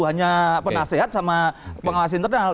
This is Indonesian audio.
hanya penasehat sama pengawas internal